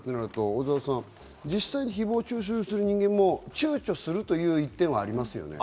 小澤さん、実際に誹謗中傷する人間も躊躇するという一点はありますね。